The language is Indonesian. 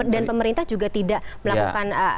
pemerintah juga tidak melakukan